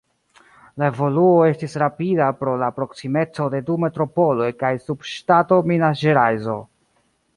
La evoluo estis rapida pro la proksimeco de du metropoloj kaj subŝtato Minas-Ĝerajso.